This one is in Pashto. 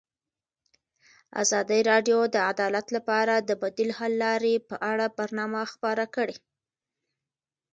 ازادي راډیو د عدالت لپاره د بدیل حل لارې په اړه برنامه خپاره کړې.